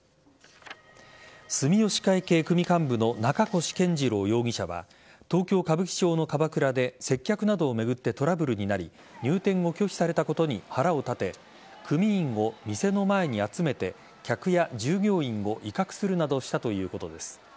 住吉会系組幹部の中越健二郎容疑者は東京歌舞伎町のキャバクラで接客などを巡ってトラブルになり入店を拒否されたことに腹を立て組員を店の前に集めて客や従業員を威嚇するなどしたということです。